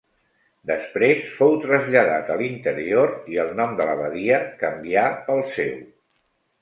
Després, fou traslladat a l'interior i el nom de l'abadia canvià pel seu.